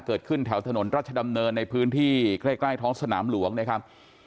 เกิดขึ้นแถวถนนรัชดำเนินในพื้นที่ใกล้ท้องสนามหลวงนะครับ